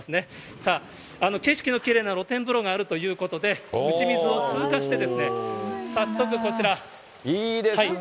さあ、景色のきれいな露天風呂があるということで、おちみずを通過してですね、早速こちら。